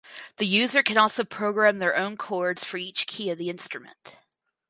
The user can also program their own chords for each key of the instrument.